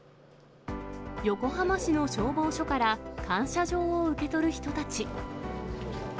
横浜市の消防署から感謝状を受け取る人たち。